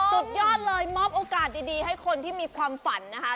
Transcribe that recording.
สุดยอดเลยมอบโอกาสดีให้คนที่มีความฝันนะคะ